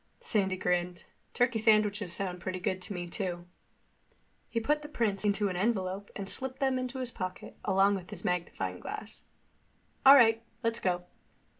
Sandy grinned. "Turkey sandwiches sound pretty good to me too." He put the prints into an envelope and slipped them into his pocket, along with his magnifying glass. "All right. Let's go."